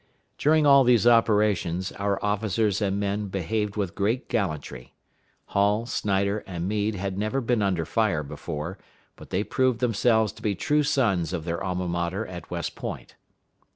During all these operations, our officers and men behaved with great gallantry. Hall, Snyder, and Meade had never been under fire before, but they proved themselves to be true sons of their Alma Mater at West Point.